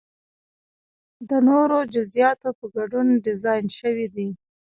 د نورو جزئیاتو په ګډون ډیزاین شوی دی.